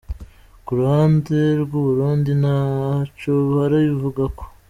Ku ruhande rw'Uburundi nta co barabivugako.